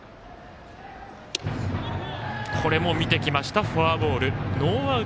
これも見てきましたフォアボール。